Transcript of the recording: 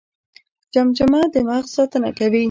جمجمه د مغز ساتنه کوي